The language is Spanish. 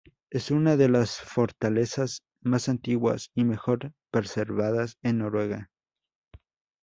Es una de las fortalezas más antiguas y mejor preservadas en Noruega.